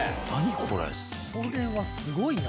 これはすごいな！